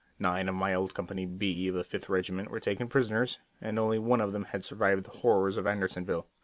Nine of my old Company B of the Fifth Regiment were taken prisoners, and only one of them had survived the horrors of Andersonville.